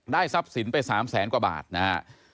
ทรัพย์สินไป๓แสนกว่าบาทนะฮะ